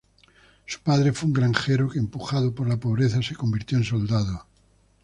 Su padre fue un granjero que, empujado por la pobreza, se convirtió en soldado.